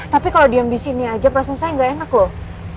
tapi kalau diam di sini aja prosesnya saya nggak enak loh